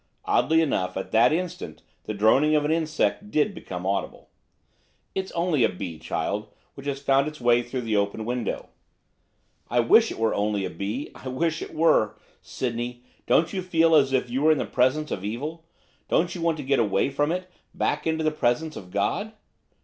Oddly enough, at that instant the droning of an insect did become audible. 'It's only a bee, child, which has found its way through the open window.' 'I wish it were only a bee, I wish it were. Sydney, don't you feel as if you were in the presence of evil? Don't you want to get away from it, back into the presence of God?